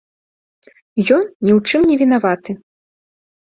Ён ні ў чым невінаваты.